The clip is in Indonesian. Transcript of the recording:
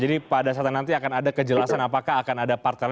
jadi pada saat nanti akan ada kejelasan apakah akan ada partai